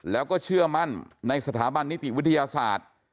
แล้วก็เชื่อมั่นในสถาบันนิติวิทยาศาสตร์